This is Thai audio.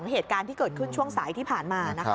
เหตุการณ์ที่เกิดขึ้นช่วงสายที่ผ่านมา